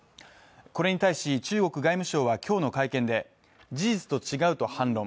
これに対し、中国外務省は今日の会見で事実と違うと反論。